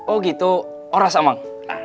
oh gitu oras emang